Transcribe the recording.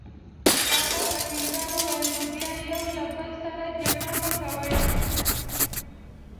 هغې په ټینګار وویل: نو بیا یو له بل سره جګړې مه کوئ.